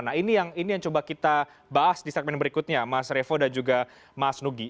nah ini yang coba kita bahas di segmen berikutnya mas revo dan juga mas nugi